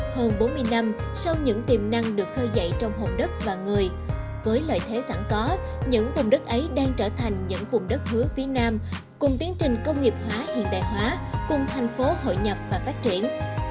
hơn bốn mươi năm sau những tiềm năng được khơi dậy trong hồn đất và người với lợi thế sẵn có những vùng đất ấy đang trở thành những vùng đất hứa phía nam cùng tiến trình công nghiệp hóa hiện đại hóa cùng thành phố hội nhập và phát triển